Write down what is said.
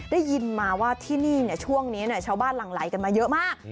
ได้ยินมาว่าที่นี่ช่วงนี้ชาวบ้านหลั่งไหลกันมาเยอะมาก